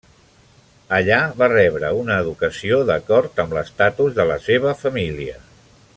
Allà va rebre una educació d'acord amb l'estatus de la seva família.